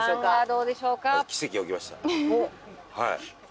はい。